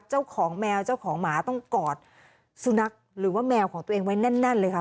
เจ้าของแมวเจ้าของหมาต้องกอดสุนัขหรือว่าแมวของตัวเองไว้แน่นเลยค่ะ